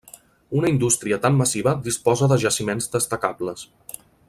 Una indústria tan massiva disposa de jaciments destacables.